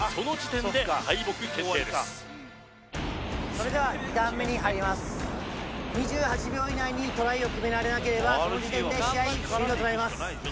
それでは２ターン目に入ります２８秒以内にトライを決められなければその時点で試合終了となります